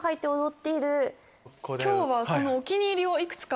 今日はそのお気に入りをいくつか。